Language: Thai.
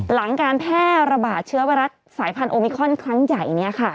หลังการแพร่ระบาดเชื้อไวรัสสายพันธ์โอมิคอนครั้งใหญ่เนี่ยค่ะ